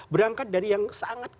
berangkat dari yang sangat